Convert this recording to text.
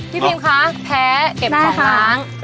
พี่พิมคะแพ้เก็บของล้าง